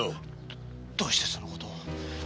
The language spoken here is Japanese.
どうしてそのことを。